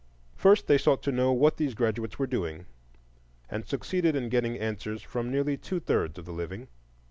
First they sought to know what these graduates were doing, and succeeded in getting answers from nearly two thirds of the living.